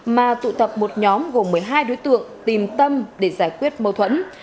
mà tụ tập một nhóm gồm một mươi hai đối tượng tìm tâm để giải quyết mâu thuẫn